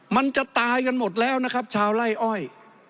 มันจะตายกันหมดแล้วนะครับชาวไล่อ้อย